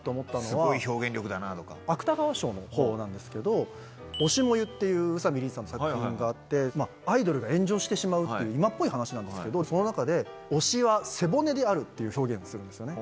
芥川賞のほうなんですけど『推し、燃ゆ』っていう宇佐見りんさんの作品があってアイドルが炎上してしまうっていう今っぽい話なんですけどその中で。っていう表現をするんですよね